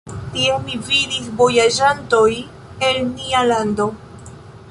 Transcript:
Tie mi vidis vojaĝantoj el nia lando.